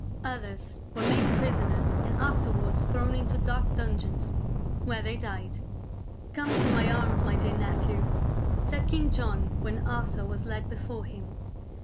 Others were made prisoners and after wards thrown into dark dungeons, where they died. " Come to my arms, my dear nephew," said King John when Arthur was led before him.